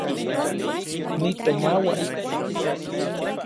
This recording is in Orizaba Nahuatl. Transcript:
Nitomauak.